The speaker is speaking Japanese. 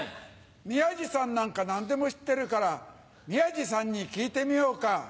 宮治さんなんか何でも知ってるから宮治さんに聞いてみようか。